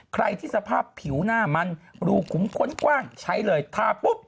ใครที่สภาพผิวหน้ามันรูขุมพ้นกว้างใช้เลยทาปุ๊บ